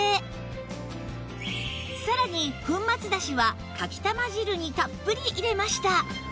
さらに粉末だしはかきたま汁にたっぷり入れました